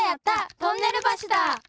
トンネルばしだ！